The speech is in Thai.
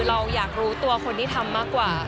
เราอยากรู้ตัวคนที่ทำมากกว่า